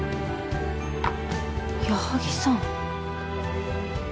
矢作さん。